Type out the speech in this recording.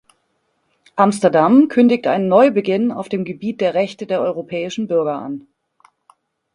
Amsterdam kündigt einen Neubeginn auf dem Gebiet der Rechte der europäischen Bürger an.